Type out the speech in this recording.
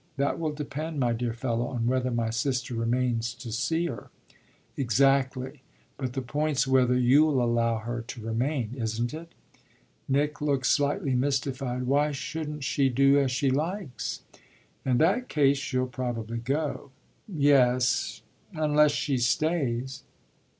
"That will depend, my dear fellow, on whether my sister remains to see her." "Exactly; but the point's whether you'll allow her to remain, isn't it?" Nick looked slightly mystified. "Why shouldn't she do as she likes?" "In that case she'll probably go." "Yes, unless she stays."